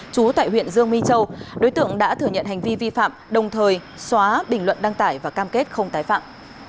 chú tại huyện dương minh châu đối tượng đã thừa nhận hành vi vi phạm đồng thời xóa bình luận đăng tải và cam kết không tái phạm